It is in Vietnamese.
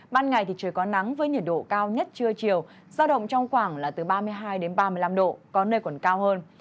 ban ngày thì trời có nắng với nhiệt độ cao nhất trưa chiều giao động trong khoảng là từ ba mươi hai đến ba mươi năm độ có nơi còn cao hơn